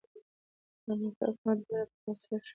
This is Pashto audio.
د امریکا حکومت دومره په غوسه شو.